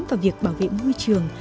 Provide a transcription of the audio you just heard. vào việc bảo vệ môi trường